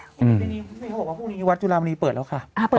ผู้ชมเรียกว่าพรุ่งนี้วัดจุฬามณีเปิดแล้วค่ะ